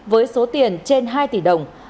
với số tiền trên hai tỷ đồng